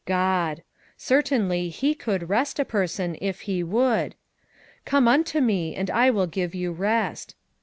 God. Certainly he could rest a person if he would. "Come unto me and I will give you rest."